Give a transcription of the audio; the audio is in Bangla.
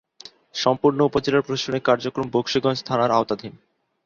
সম্পূর্ণ উপজেলার প্রশাসনিক কার্যক্রম বকশীগঞ্জ থানার আওতাধীন।